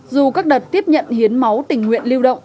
dù các đợt tiếp nhận hiến máu tình nguyện lưu động